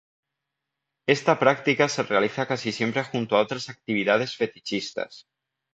Esta práctica se realiza casi siempre junto a otras actividades fetichistas.